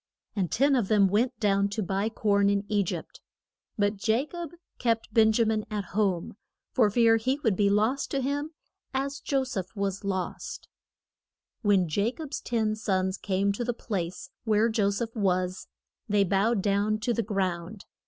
And ten of them went down to buy corn in E gypt. But Ja cob kept Ben ja min at home, for fear he would be lost to him as Jo seph was lost. [Illustration: JO SEPH AND HIS BROTH ERS.] When Ja cob's ten sons came to the place where Jo seph was, they bowed down to the ground.